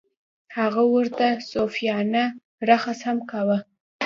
هغه ورته صوفیانه رقص هم کاوه.